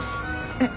えっ。